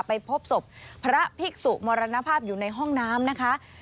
ไปพบศพพระภิกษุมรณภาพอยู่ในห้องน้ำนะคะ